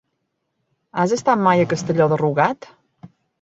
Has estat mai a Castelló de Rugat?